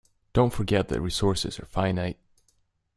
Don't forget that resources are finite.